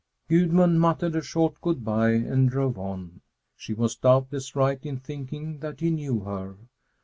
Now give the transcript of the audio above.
Gudmund muttered a short good bye and drove on. She was doubtless right in thinking that he knew her.